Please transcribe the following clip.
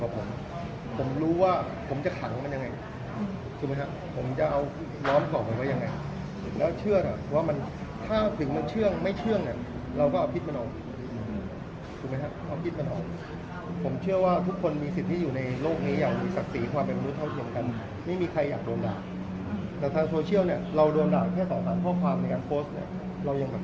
บอกว่าว่ายังไงแล้วเชื่อนะว่ามันถ้าถึงมันเชื่องไม่เชื่องเนี้ยเราก็เอาพิษมันออกถูกไหมฮะเอาพิษมันออกผมเชื่อว่าทุกคนมีสิทธิ์ที่อยู่ในโลกนี้อยากมีศักดิ์สีความเป็นมนุษย์เท่าเชียงกันไม่มีใครอยากโดนด่าแต่ทางโซเชียลเนี้ยเราโดนด่าแค่ต่อตามข้อความในการโพสต์เนี้ยเรายังแบบ